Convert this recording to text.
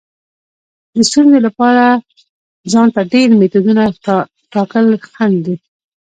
د ستونزې لپاره ځان ته ډیر میتودونه ټاکل خنډ دی.